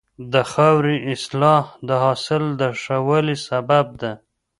د خاورې اصلاح د حاصل د ښه والي سبب ده.